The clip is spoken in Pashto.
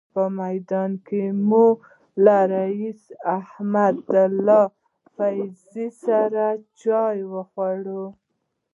په میدان کې مې له رئیس احمدالله فیضي سره چای وخوړل.